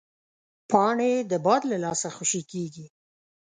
پاڼې د باد له لاسه خوشې کېږي